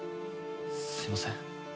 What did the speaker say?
すいません。